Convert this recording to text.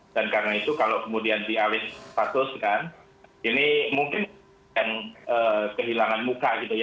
dan karena itu kalau kemudian dialihkan kasus kan ini mungkin kehilangan muka gitu ya